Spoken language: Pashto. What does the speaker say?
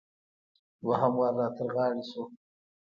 دوهم وار را تر غاړې شو.